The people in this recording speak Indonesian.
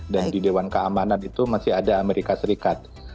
dan di dewan keamanan itu masih ada amerika serikat